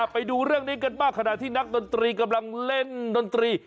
ไปดูเรื่องนี้กันบ้างขณะที่นักดนตรีกำลังเล่นดนตรี